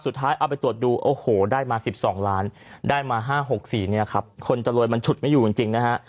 เอาไปตรวจดูโอ้โหได้มา๑๒ล้านได้มา๕๖๔เนี่ยครับคนจะรวยมันฉุดไม่อยู่จริงนะฮะ